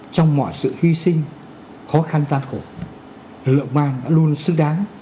trong mọi sự hy sinh khó khăn tan khổ lực lượng công an đã luôn xứng đáng